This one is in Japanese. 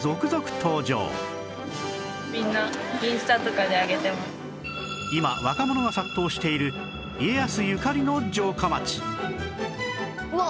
このあとも今若者が殺到している家康ゆかりの城下町